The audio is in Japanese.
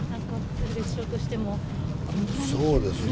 鶴瓶師匠としてもこんなにね。